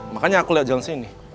makanya aku lihat jalan sini